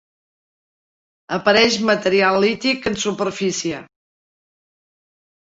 Apareix material lític en superfície.